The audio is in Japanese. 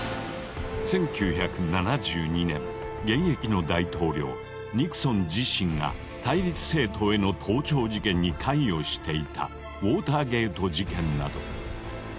１９７２年現役の大統領ニクソン自身が対立政党への盗聴事件に関与していたウォーターゲート事件など。